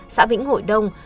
xã vĩnh hội đông